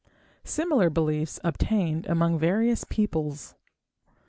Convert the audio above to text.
Similar beliefs obtained among various peoples.